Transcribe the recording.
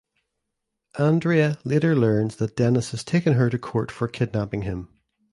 Andrea later learns that Dennis has taken her to court for kidnapping him.